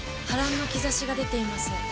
波乱の兆しが出ています。